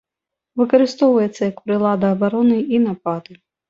Выкарыстоўваецца як прылада абароны і нападу.